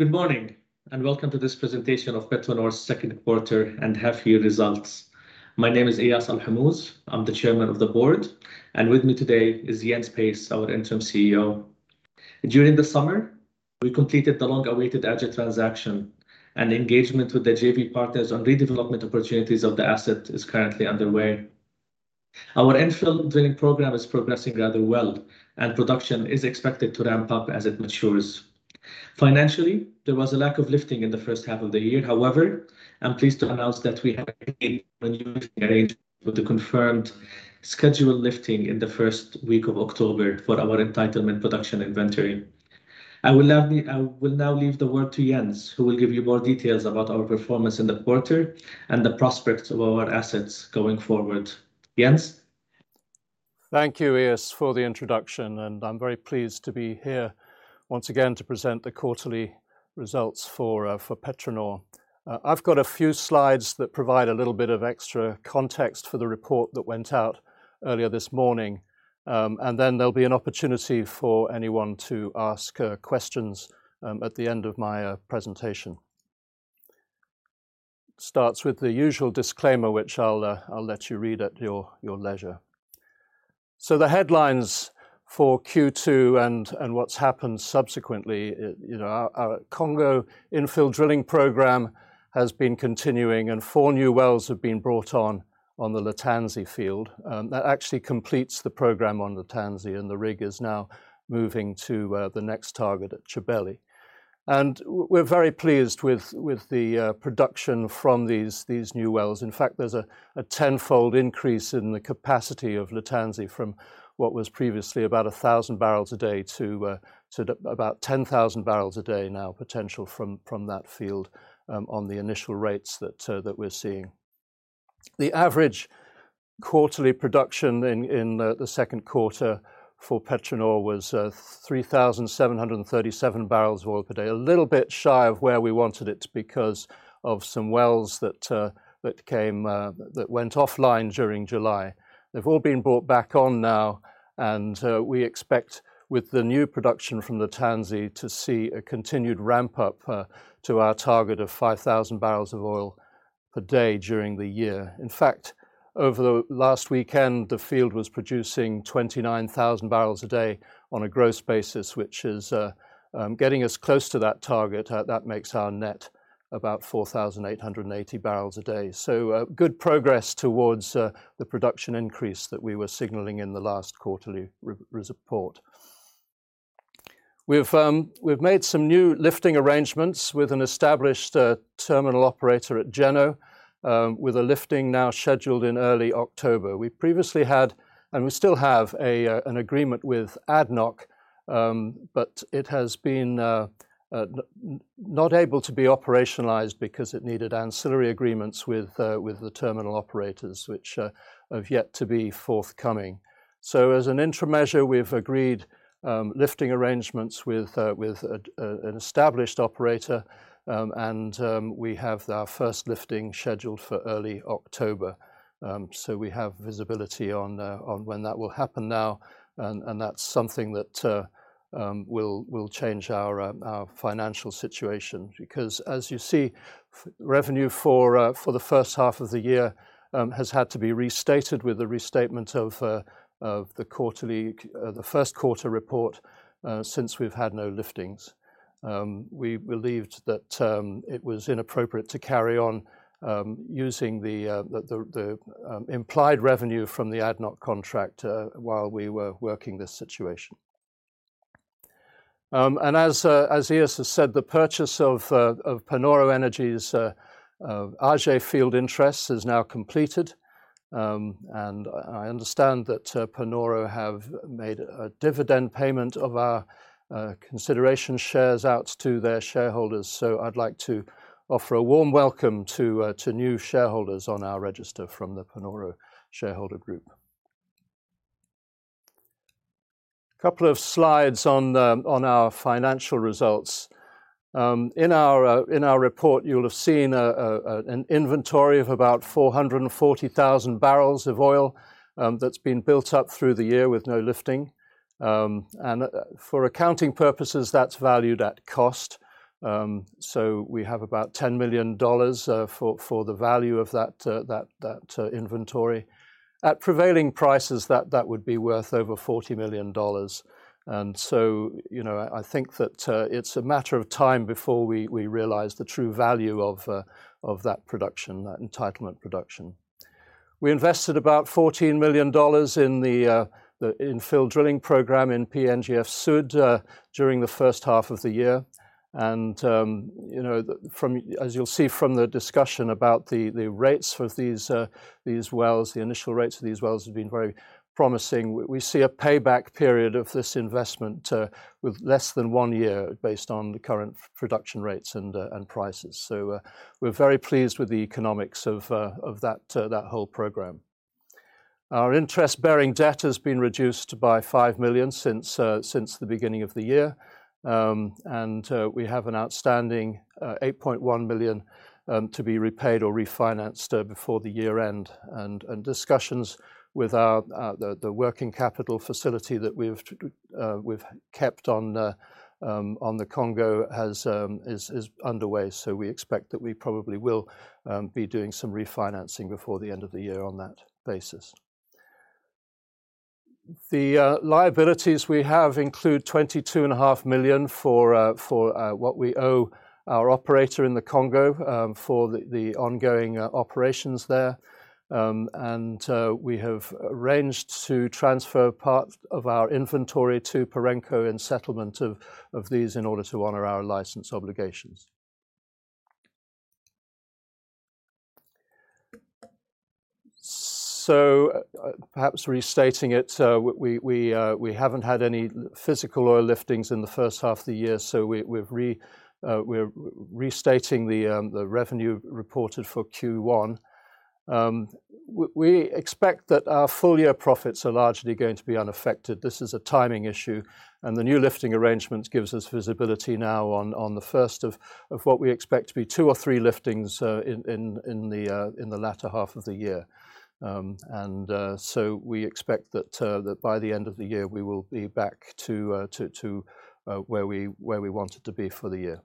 Good morning, and welcome to this presentation of PetroNor's second quarter and half year results. My name is Eyas Alhomouz. I'm the Chairman of the Board, and with me today is Jens Pace, our Interim CEO. During the summer, we completed the long-awaited Aje transaction, and engagement with the JV partners on redevelopment opportunities of the asset is currently underway. Our infill drilling program is progressing rather well, and production is expected to ramp up as it matures. Financially, there was a lack of lifting in the first half of the year. However, I'm pleased to announce that we have a new arrangement with the confirmed scheduled lifting in the first week of October for our entitlement production inventory. I will now leave the word to Jens, who will give you more details about our performance in the quarter and the prospects of our assets going forward. Jens? Thank you, Eyas, for the introduction, and I'm very pleased to be here once again to present the quarterly results for PetroNor. I've got a few slides that provide a little bit of extra context for the report that went out earlier this morning. And then there'll be an opportunity for anyone to ask questions at the end of my presentation. Starts with the usual disclaimer, which I'll let you read at your leisure. The headlines for Q2 and what's happened subsequently, you know, our Congo infill drilling program has been continuing, and four new wells have been brought on the Litanzi field. That actually completes the program on Litanzi, and the rig is now moving to the next target at Tchibeli. We're very pleased with the production from these new wells. In fact, there's a tenfold increase in the capacity of Litanzi from what was previously about 1,000 bbl a day to about 10,000 bbl a day now potential from that field on the initial rates that we're seeing. The average quarterly production in the second quarter for PetroNor was 3,737 bbl of oil per day. A little bit shy of where we wanted it because of some wells that went offline during July. They've all been brought back on now, and we expect with the new production from Litanzi to see a continued ramp up to our target of 5,000 bbl of oil per day during the year. In fact, over the last weekend, the field was producing 29,000 bbl a day on a gross basis, which is getting us close to that target. That makes our net about 4,880 bbl a day. Good progress towards the production increase that we were signaling in the last quarterly report. We've made some new lifting arrangements with an established terminal operator at Djeno, with a lifting now scheduled in early October. We previously had, and we still have an agreement with ADNOC, but it has been not able to be operationalized because it needed ancillary agreements with the terminal operators, which have yet to be forthcoming. As an interim measure, we've agreed lifting arrangements with an established operator, and we have our first lifting scheduled for early October. We have visibility on when that will happen now, and that's something that will change our financial situation. Because as you see, revenue for the first half of the year has had to be restated with the restatement of the quarterly, the first quarter report, since we've had no liftings. We believed that it was inappropriate to carry on using the implied revenue from the ADNOC contract while we were working this situation. As Eyas has said, the purchase of Panoro Energy's Aje field interest is now completed. I understand that Panoro have made a dividend payment of our consideration shares out to their shareholders. I'd like to offer a warm welcome to new shareholders on our register from the Panoro shareholder group. Couple of slides on our financial results. In our report, you'll have seen an inventory of about 440,000 bbl of oil, that's been built up through the year with no lifting. For accounting purposes, that's valued at cost. We have about $10 million for the value of that inventory. At prevailing prices, that would be worth over $40 million. You know, I think that it's a matter of time before we realize the true value of that production, that entitlement production. We invested about $14 million in the infill drilling program in PNGF Sud during the first half of the year. You know, from as you'll see from the discussion about the rates of these wells, the initial rates of these wells have been very promising. We see a payback period of this investment with less than one year based on the current production rates and prices. We're very pleased with the economics of that whole program. Our interest-bearing debt has been reduced by $5 million since the beginning of the year. We have an outstanding $8.1 million to be repaid or refinanced before year-end. Discussions with the working capital facility that we've kept on the Congo are underway. We expect that we probably will be doing some refinancing before the end of the year on that basis. The liabilities we have include $22.5 million for what we owe our operator in the Congo for the ongoing operations there. We have arranged to transfer part of our inventory to Perenco in settlement of these in order to honor our license obligations. Perhaps restating it, we haven't had any physical oil liftings in the first half of the year. We're restating the revenue reported for Q1. We expect that our full year profits are largely going to be unaffected. This is a timing issue, and the new lifting arrangements gives us visibility now on the first of what we expect to be two or three liftings in the latter half of the year. We expect that by the end of the year, we will be back to where we wanted to be for the year.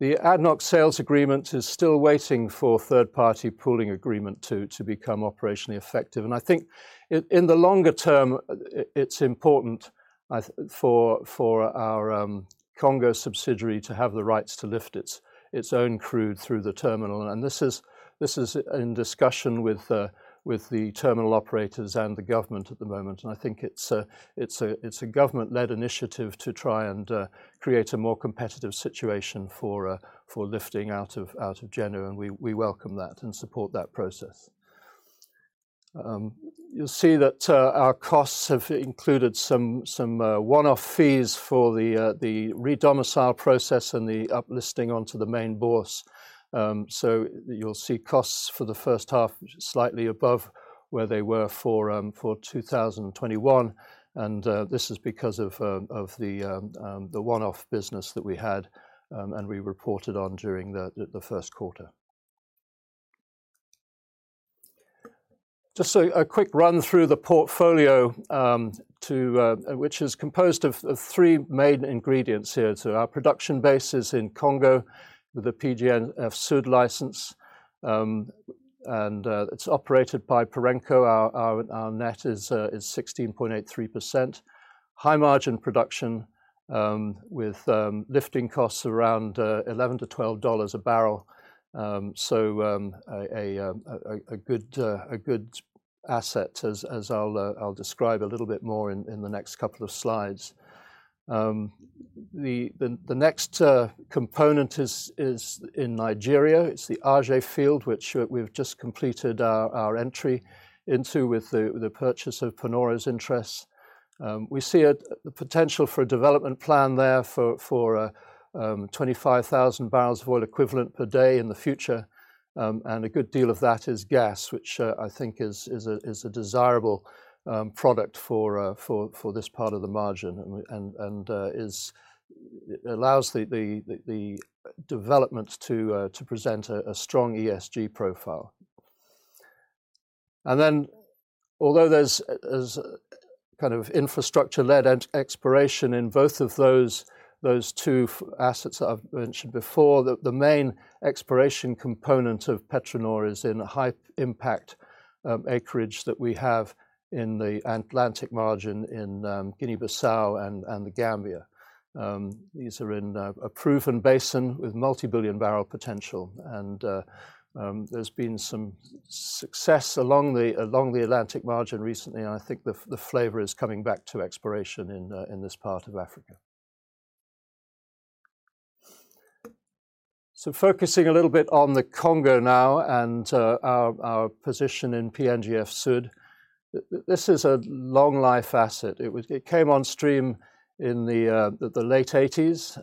The ADNOC sales agreement is still waiting for third-party pooling agreement to become operationally effective. I think in the longer term, it's important for our Congo subsidiary to have the rights to lift its own crude through the terminal. This is in discussion with the terminal operators and the government at the moment. I think it's a government-led initiative to try and create a more competitive situation for lifting out of Djeno, and we welcome that and support that process. You'll see that our costs have included some one-off fees for the re-domicile process and the up-listing onto the main bourse. So you'll see costs for the first half slightly above where they were for 2021. This is because of the one-off business that we had and we reported on during the first quarter. Just a quick run through the portfolio to which is composed of three main ingredients here. Our production base is in Congo with the PNGF Sud license and it's operated by Perenco. Our net is 16.83%. High margin production with lifting costs around $11-$12 a barrel. A good asset as I'll describe a little bit more in the next couple of slides. The next component is in Nigeria. It's the Aje field which we've just completed our entry into with the purchase of Panoro's interests. We see the potential for a development plan there for 25,000 bbl of oil equivalent per day in the future. A good deal of that is gas, which I think is a desirable product for this part of the margin and allows the development to present a strong ESG profile. Although there's kind of infrastructure-led exploration in both of those two assets that I've mentioned before, the main exploration component of PetroNor is in high-impact acreage that we have in the Atlantic margin in Guinea-Bissau and The Gambia. These are in a proven basin with multi-billion-barrel potential and there's been some success along the Atlantic margin recently, and I think the flavor is coming back to exploration in this part of Africa. Focusing a little bit on the Congo now and our position in PNGF Sud. This is a long life asset. It came on stream in the late 1980s.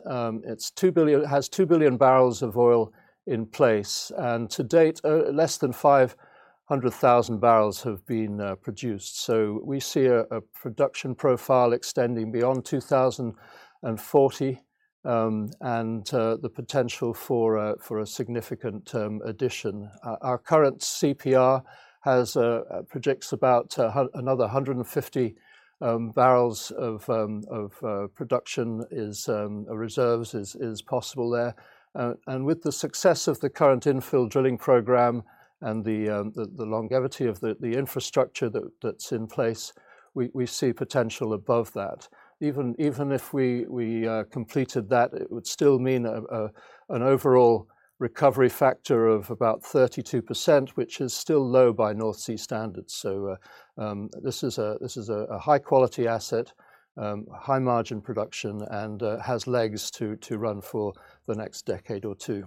It has 2 billion barrels of oil in place, and to date, less than 500,000 bbl have been produced. We see a production profile extending beyond 2040, and the potential for a significant term addition. Our current CPR has projects about another 150 bbl of production reserves is possible there. With the success of the current infill drilling program and the longevity of the infrastructure that's in place, we see potential above that. Even if we completed that, it would still mean an overall recovery factor of about 32%, which is still low by North Sea standards. This is a high quality asset, high margin production and has legs to run for the next decade or two.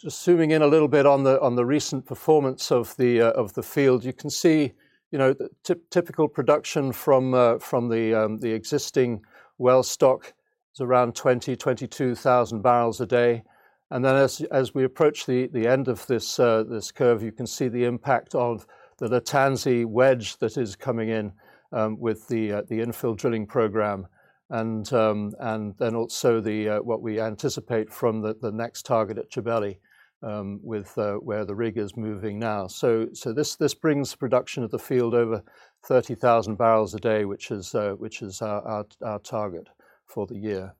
Just zooming in a little bit on the recent performance of the field. You can see, you know, typical production from the existing well stock. It's around 22,000 bbl a day. Then as we approach the end of this curve, you can see the impact of the Litanzi wedge that is coming in with the infill drilling program. Then also what we anticipate from the next target at Tchibeli, where the rig is moving now. This brings production of the field over 30,000 bbl a day, which is our target for the year.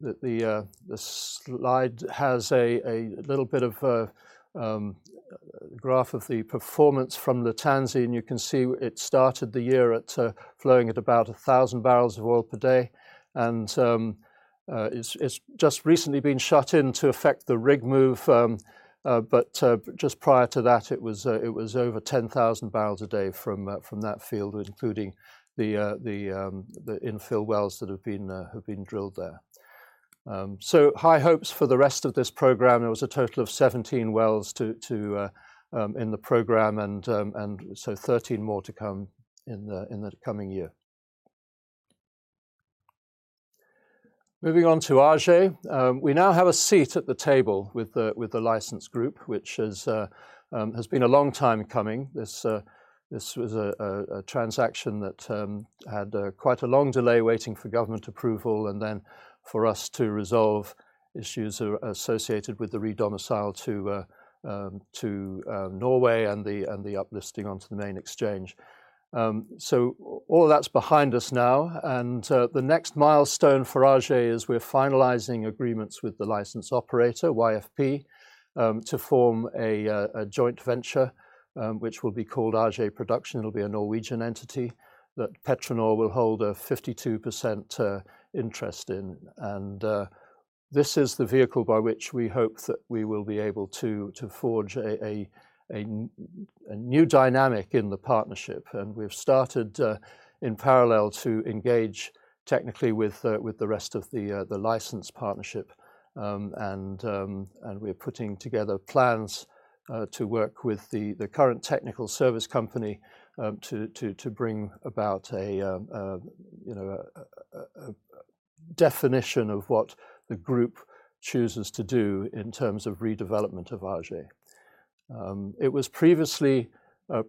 The slide has a little bit of a graph of the performance from Litanzi, and you can see it started the year at flowing at about 1,000 bbl of oil per day. It's just recently been shut in to effect the rig move. Just prior to that, it was over 10,000 bbl a day from that field, including the infill wells that have been drilled there. High hopes for the rest of this program. There was a total of 17 wells in the program, and 13 more to come in the coming year. Moving on to Aje. We now have a seat at the table with the license group, which has been a long time coming. This was a transaction that had quite a long delay waiting for government approval and then for us to resolve issues associated with the redomicile to Norway and the uplisting onto the main exchange. So all that's behind us now, and the next milestone for Aje is we're finalizing agreements with the license operator, YFP, to form a joint venture, which will be called Aje Production. It'll be a Norwegian entity that PetroNor will hold a 52% interest in. This is the vehicle by which we hope that we will be able to forge a new dynamic in the partnership. We've started in parallel to engage technically with the rest of the license partnership. We're putting together plans to work with the current technical service company to bring about you know a definition of what the group chooses to do in terms of redevelopment of Aje. It was previously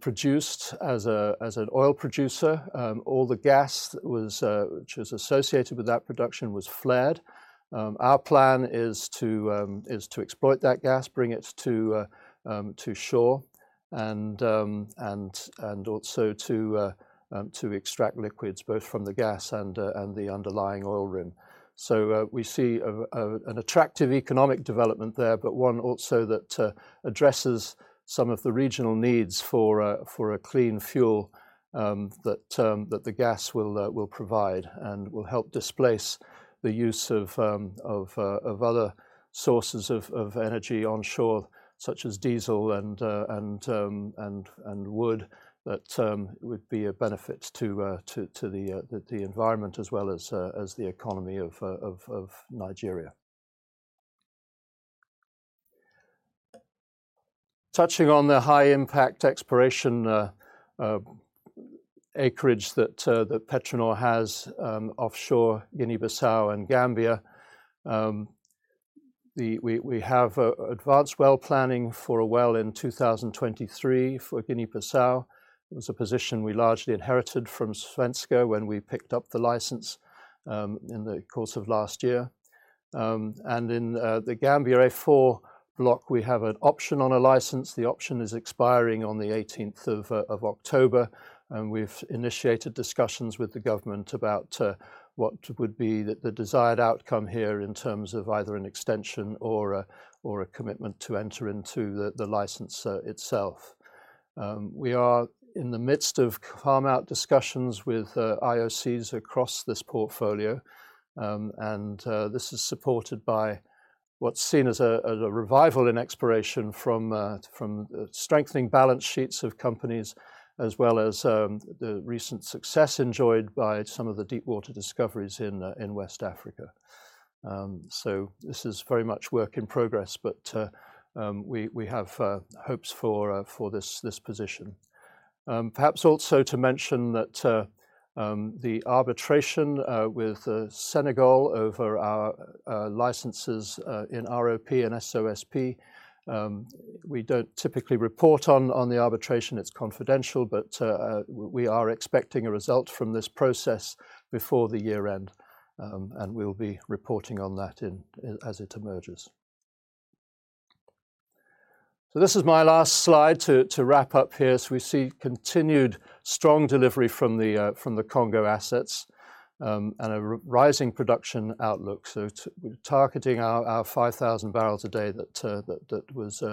produced as an oil producer. All the gas which was associated with that production was flared. Our plan is to exploit that gas, bring it to shore, and also to extract liquids both from the gas and the underlying oil rim. We see an attractive economic development there, but one also that addresses some of the regional needs for a clean fuel that the gas will provide and will help displace the use of other sources of energy onshore, such as diesel and wood that would be a benefit to the environment as well as the economy of Nigeria. Touching on the high-impact exploration acreage that PetroNor has offshore Guinea-Bissau and Gambia, we have advanced well planning for a well in 2023 for Guinea-Bissau. It was a position we largely inherited from Svenska when we picked up the license in the course of last year. In The Gambia A-4 Block, we have an option on a license. The option is expiring on the 18th of October, and we've initiated discussions with the government about what would be the desired outcome here in terms of either an extension or a commitment to enter into the license itself. We are in the midst of farm-out discussions with IOCs across this portfolio. This is supported by what's seen as a revival in exploration from strengthening balance sheets of companies, as well as the recent success enjoyed by some of the deep water discoveries in West Africa. This is very much work in progress, but we have hopes for this position. Perhaps also to mention that the arbitration with Senegal over our licenses in ROP and SOSP, we don't typically report on the arbitration. It's confidential. We are expecting a result from this process before the year-end, and we'll be reporting on that as it emerges. This is my last slide to wrap up here. We see continued strong delivery from the Congo assets, and a rising production outlook. Targeting our 5,000 bbl a day that was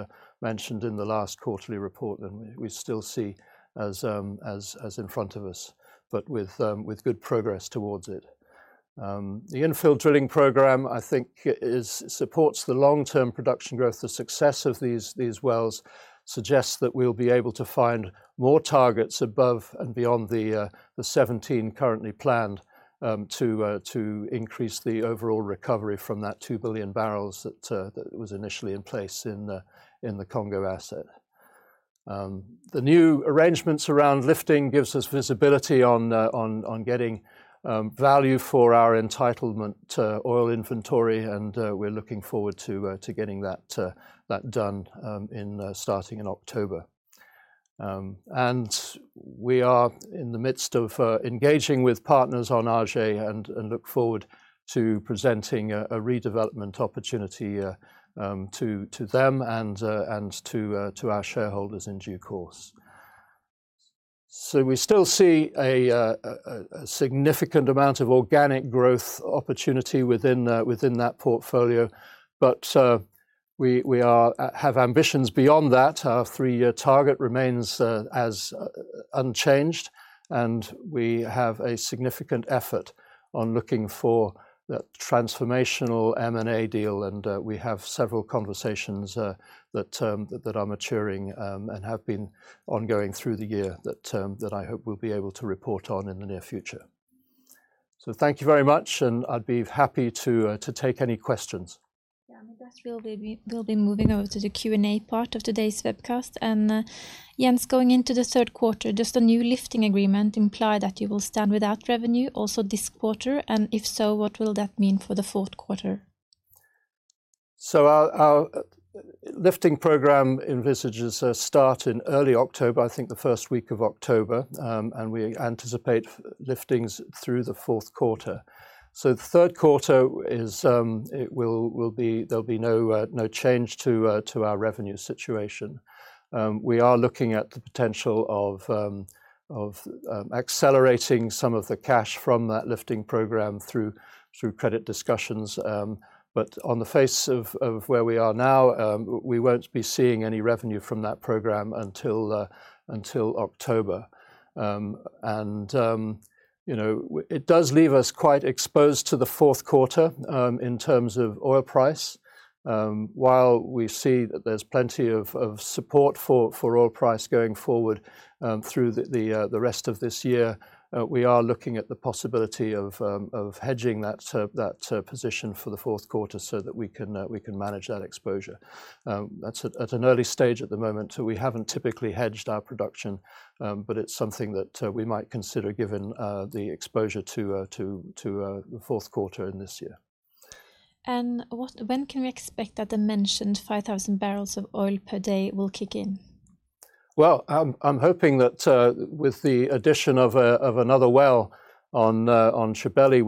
mentioned in the last quarterly report, and we still see as in front of us, but with good progress towards it. The infill drilling program, I think supports the long-term production growth. The success of these wells suggests that we'll be able to find more targets above and beyond the 17 currently planned to increase the overall recovery from that 2 billion barrels that was initially in place in the Congo asset. The new arrangements around lifting gives us visibility on getting value for our entitlement oil inventory, and we're looking forward to getting that done starting in October. We are in the midst of engaging with partners on Aje and look forward to presenting a redevelopment opportunity to them and to our shareholders in due course. We still see a significant amount of organic growth opportunity within that portfolio. We have ambitions beyond that. Our three-year target remains unchanged, and we have a significant effort on looking for that transformational M&A deal, and we have several conversations that are maturing and have been ongoing through the year that I hope we'll be able to report on in the near future. Thank you very much and I'd be happy to take any questions. Yeah, I guess we'll be moving over to the Q&A part of today's webcast. Jens, going into the third quarter, does the new lifting agreement imply that you will stand without revenue also this quarter? If so, what will that mean for the fourth quarter? Our lifting program envisages a start in early October, I think the first week of October. We anticipate liftings through the fourth quarter. The third quarter will be. There'll be no change to our revenue situation. We are looking at the potential of accelerating some of the cash from that lifting program through credit discussions. On the face of where we are now, we won't be seeing any revenue from that program until October. You know, it does leave us quite exposed to the fourth quarter in terms of oil price. While we see that there's plenty of support for oil price going forward, through the rest of this year, we are looking at the possibility of hedging that position for the fourth quarter so that we can manage that exposure. That's at an early stage at the moment, so we haven't typically hedged our production. It's something that we might consider given the exposure to the fourth quarter in this year. When can we expect that the mentioned 5,000 bbl of oil per day will kick in? I'm hoping that with the addition of another well on Tchibeli,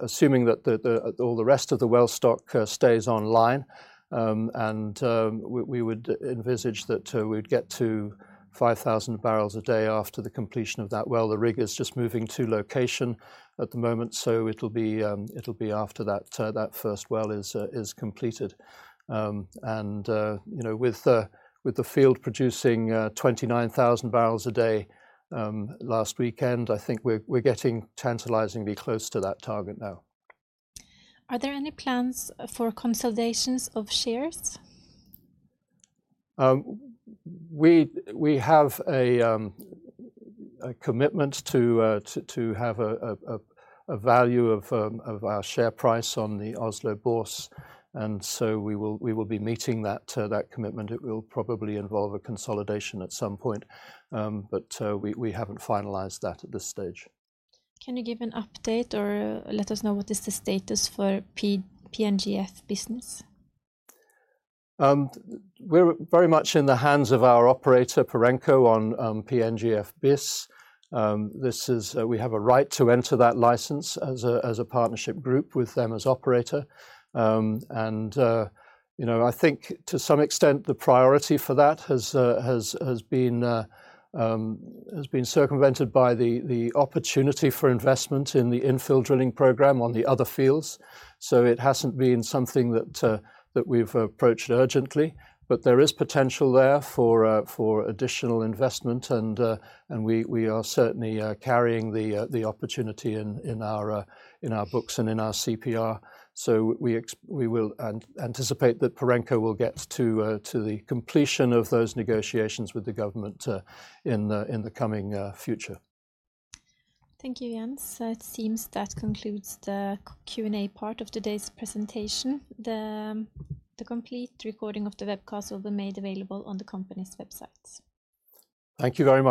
assuming that all the rest of the well stock stays online, and we would envisage that we'd get to 5,000 bbl a day after the completion of that well. The rig is just moving to location at the moment. It'll be after that first well is completed. You know, with the field producing 29,000 bbl a day last weekend, I think we're getting tantalizingly close to that target now. Are there any plans for consolidations of shares? We have a commitment to have a value of our share price on the Oslo Børs. We will be meeting that commitment. It will probably involve a consolidation at some point. We haven't finalized that at this stage. Can you give an update or let us know what is the status for PNGF business? We're very much in the hands of our operator, Perenco, on PNGF Bis. We have a right to enter that license as a partnership group with them as operator. You know, I think to some extent the priority for that has been circumvented by the opportunity for investment in the infill drilling program on the other fields. It hasn't been something that we've approached urgently. There is potential there for additional investment and we are certainly carrying the opportunity in our books and in our CPR. We will anticipate that Perenco will get to the completion of those negotiations with the government in the coming future. Thank you, Jens. It seems that concludes the Q&A part of today's presentation. The complete recording of the webcast will be made available on the company's website. Thank you very much.